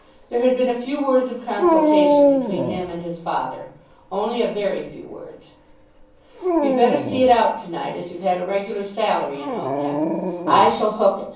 There had been a few words of consultation between him and his father, only a very few words. "You'd better see it out to night, as you've had a regular salary, and all that. I shall hook it.